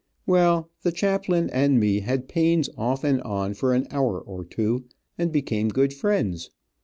Well, the chaplain and me had pains off and on, for an hour or two, and became good friends.